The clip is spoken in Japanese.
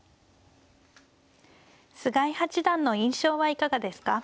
菅井八段の印象はいかがですか。